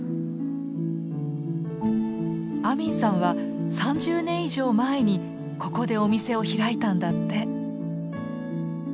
アミンさんは３０年以上前にここでお店を開いたんだって。